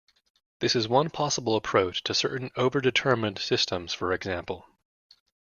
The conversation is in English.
This is one possible approach to certain over-determined systems, for example.